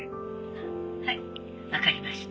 ☎はい分かりました